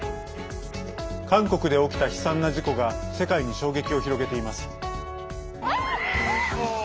韓国で起きた悲惨な事故が世界に衝撃を広げています。